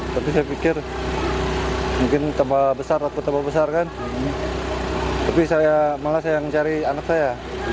tapi saya pikir mungkin tambah besar atau tambah besar kan tapi saya malah saya yang cari anak saya